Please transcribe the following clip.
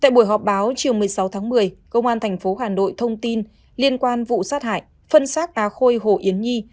tại buổi họp báo chiều một mươi sáu tháng một mươi công an thành phố hà nội thông tin liên quan vụ sát hại phân xác á khôi hồ yến nhi